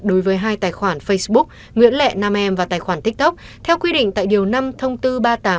đối với hai tài khoản facebook nguyễn lệ nam em và tài khoản tiktok theo quy định tại điều năm thông tư ba mươi tám hai nghìn một mươi sáu